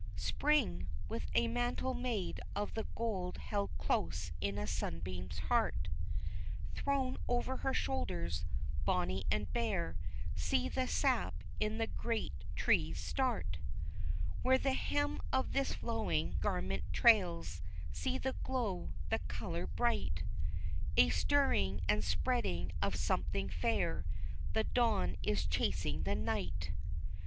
SPRING, with a mantle made of the gold held close in a sunbeam's heart, Thrown over her shoulders, bonnie and bare see the sap in the great trees start, Where the hem of this flowing garment trails, see the glow, the color bright, A stirring and spreading of something fair the dawn is chasing the night!